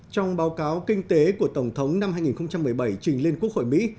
trong báo cáo kinh tế của tổng thống năm hai nghìn một mươi bảy trình lên quốc hội mỹ